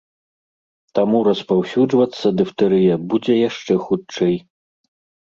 Таму распаўсюджвацца дыфтэрыя будзе яшчэ хутчэй.